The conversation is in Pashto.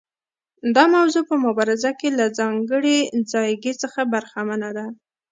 دا موضوع په مبارزه کې له ځانګړي ځایګي څخه برخمنه ده.